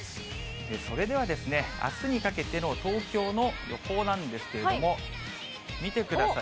それでは、あすにかけての東京の予報なんですけれども、見てください。